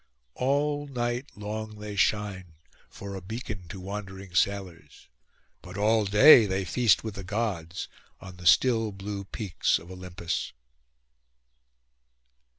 All night long, they shine, for a beacon to wandering sailors; but all day they feast with the Gods, on the still blue peaks of Olympus.